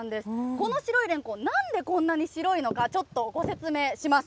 この白いレンコン、なんでこんなに白いのか、ちょっとご説明します。